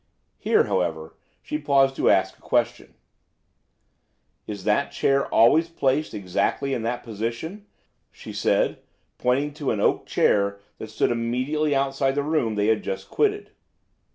Here, however, she paused to ask a question: "Is that chair always placed exactly in that position?" she said, pointing to an oak chair that stood immediately outside the room they had just quitted.